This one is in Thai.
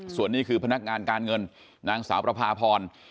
ส่วนนี้คือพนักงานการเงินนางสาวประพาพร